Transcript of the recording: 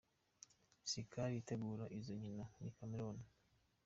"Si Caf itegura izo nkino, ni Cameroun.